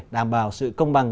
đảm bảo sự công bằng